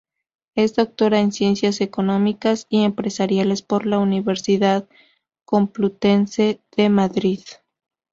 Es Doctora en Ciencias Económicas y Empresariales por la Universidad Complutense de Madrid.